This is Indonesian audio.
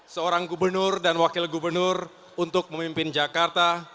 seorang gubernur dan wakil gubernur untuk memimpin jakarta